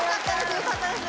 よかったです